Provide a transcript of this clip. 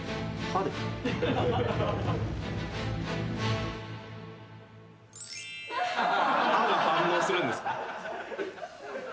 歯が反応するんですか。